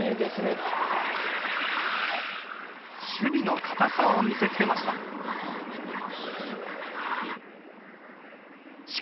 守備の堅さを見せつけました。